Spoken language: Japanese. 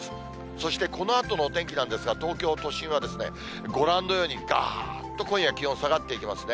そして、このあとのお天気なんですが、東京都心は、ご覧のように、がーっと今夜、気温下がっていきますね。